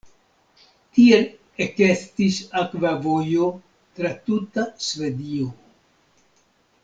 Tiel ekestis akva vojo tra tuta Svedio.